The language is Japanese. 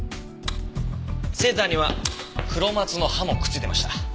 セーターにはクロマツの葉もくっついていました。